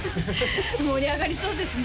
盛り上がりそうですね